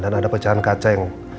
dan ada pecahan kaca yang